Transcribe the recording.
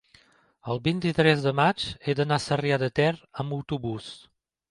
el vint-i-tres de maig he d'anar a Sarrià de Ter amb autobús.